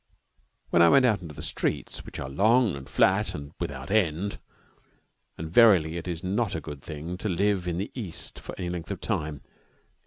Then I went out into the streets, which are long and flat and without end. And verily it is not a good thing to live in the East for any length of time.